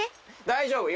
大丈夫。